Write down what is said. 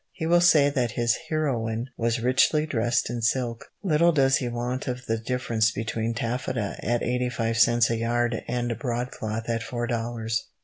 He will say that his heroine "was richly dressed in silk." Little does he wot of the difference between taffeta at eighty five cents a yard and broadcloth at four dollars.